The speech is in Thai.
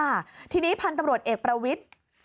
ค่ะทีนี้พันธุ์ตำรวจเอกประวิทธิ์